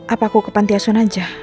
apa aku ke pantiason aja